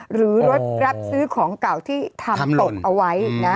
หรือรถรับซื้อของเก่าที่ทำตกเอาไว้นะ